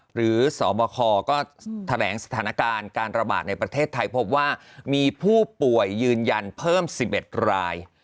หรือสบคก็แถลงสถานการณ์การระบาดในประเทศไทยพบว่ามีผู้ป่วยยืนยันเพิ่ม๑๑ราย